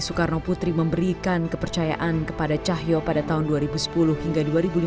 soekarno putri memberikan kepercayaan kepada cahyo pada tahun dua ribu sepuluh hingga dua ribu lima belas